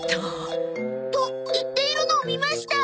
と言っているのを見ました。